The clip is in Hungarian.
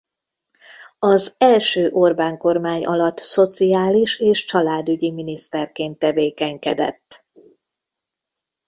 Az első Orbán-kormány alatt szociális és családügyi miniszterként tevékenykedett.